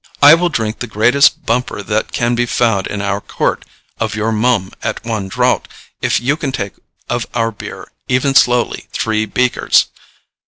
I will drink the greatest bumper that can be found in our court of your Mumme at one draught, if you can take of our beer, even slowly, three beakers.